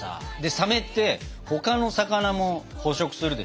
サメって他の魚も捕食するでしょ？